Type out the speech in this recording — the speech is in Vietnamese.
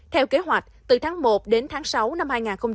theo kế hoạch từ tháng một đến tháng sáu năm hai nghìn hai mươi